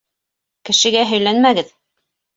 Кешегә һөйләнмәгеҙ.